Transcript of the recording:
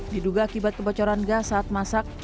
diduga akibat kebocoran gas saat masak